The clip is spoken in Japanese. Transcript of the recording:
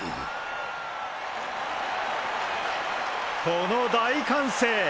この大歓声！